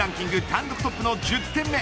単独トップの１０点目。